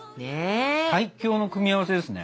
最強の組み合わせですね。